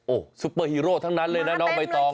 โอ้โหซุปเปอร์ฮีโร่ทั้งนั้นเลยนะน้องใบตอง